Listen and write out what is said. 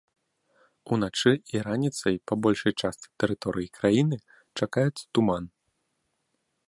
Уначы і раніцай па большай частцы тэрыторыі краіны чакаецца туман.